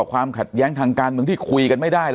ความขัดแย้งทางการเมืองที่คุยกันไม่ได้